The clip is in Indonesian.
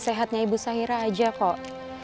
sehatnya ibu sahira aja kok